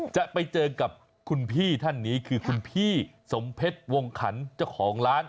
จะไปเจอกับคุณพี่ท่านนี้คือคุณพี่สมเพชรวงขันเจ้าของร้าน